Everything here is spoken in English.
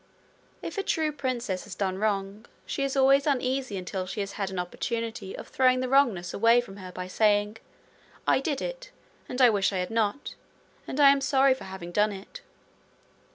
If a true princess has done wrong, she is always uneasy until she has had an opportunity of throwing the wrongness away from her by saying: 'I did it; and I wish I had not; and I am sorry for having done it.'